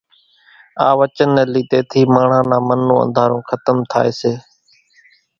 آ وچن ني ليڌي ٿي ماڻۿان نا من نون انڌارو کتم ٿائي سي